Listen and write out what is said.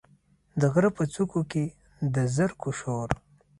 د غره په څوکو کې، د زرکو شور،